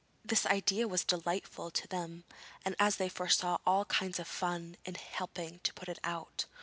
This idea was delightful to them, as they foresaw all kinds of fun in helping to put it out.